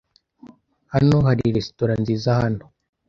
Hano hari resitora nziza hano?